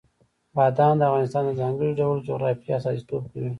بادام د افغانستان د ځانګړي ډول جغرافیې استازیتوب کوي.